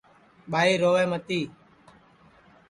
ٻائی رووے متی